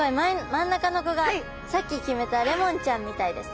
真ん中の子がさっき決めたレモンちゃんみたいですね。